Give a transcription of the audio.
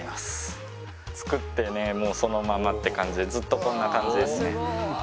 作ってねもうそのままって感じでずっとこんな感じですね。